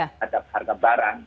terhadap harga barang